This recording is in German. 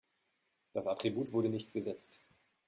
Das Attribut wurde nicht gesetzt.